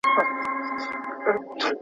زه اوس پوښتنه کوم؟